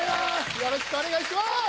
よろしくお願いします！